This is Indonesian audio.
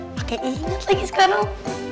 pake inget lagi sekarang